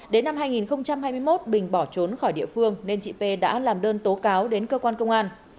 đến năm hai nghìn hai mươi một bình bỏ trốn khỏi địa phương nên chị p đã làm đơn tố cáo đến cơ quan công an